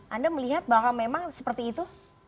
anda melihat bahwa memang seperti itu